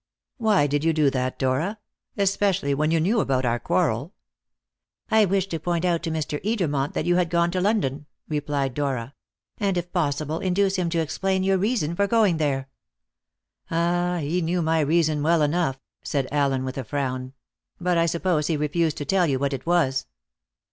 "Why did you do that, Dora especially when you knew about our quarrel?" "I wished to point out to Mr. Edermont that you had gone to London," replied Dora, "and, if possible, induce him to explain your reason for going there." "Ah, he knew my reason well enough," said Allen with a frown; "but I suppose he refused to tell you what it was?"